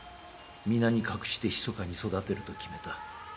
皆に隠してひそかに育てると決めた。